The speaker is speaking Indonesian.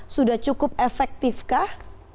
sudah cukup efektifkah